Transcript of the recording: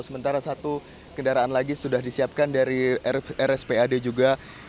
sementara satu kendaraan lagi sudah disiapkan dari rspad juga